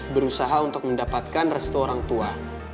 berusaha untuk mendapatkan restu orang tua